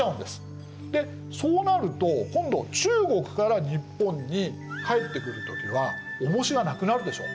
でそうなると今度中国から日本に帰ってくる時は重しがなくなるでしょ。